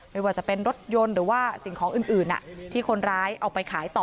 ไม่ว่าจะเป็นรถยนต์หรือว่าสิ่งของอื่นที่คนร้ายเอาไปขายต่อ